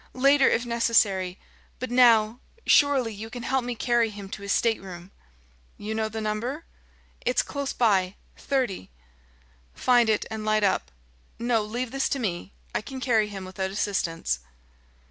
Later, if necessary; but now surely, you can help me carry him to his stateroom." "You know the number?" "It's close by 30." "Find it, and light up. No leave this to me; I can carry him without assistance."